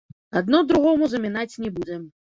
Адно другому замінаць не будзе.